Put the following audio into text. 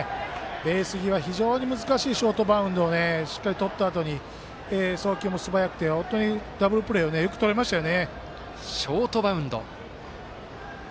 ベース際非常に難しいショートバウンドをしっかりとったあとに送球も素早くて本当にダブルプレーをよくとれましたよね。